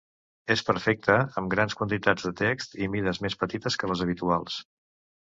És perfecta amb grans quantitats de text i mides més petites que les habituals.